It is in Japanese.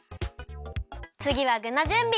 つぎはぐのじゅんび！